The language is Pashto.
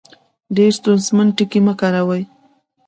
ډېر ستونزمن ټکي مۀ کاروئ